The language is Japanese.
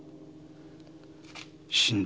死んだ。